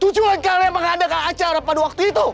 tujuan kalian mengadakan acara pada waktu itu